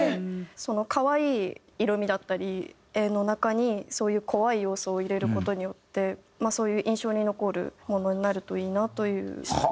その可愛い色味だったり絵の中にそういう怖い要素を入れる事によってそういう印象に残るものになるといいなという。